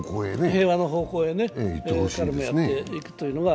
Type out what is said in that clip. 平和の方向に彼がやっていくというのは。